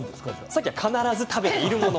さっきは必ず食べているもの。